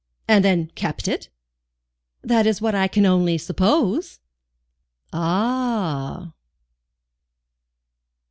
"And then kept it?" "That is what I can only suppose." "Ah!"